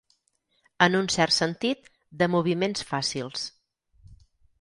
En un cert sentit, de moviments fàcils.